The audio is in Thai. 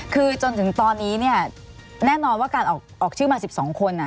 คือจนถึงตอนนี้เนี่ยแน่นอนว่าการออกชื่อมา๑๒คน